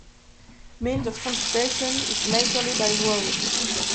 Means of transportation is majorly by road.